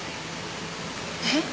えっ？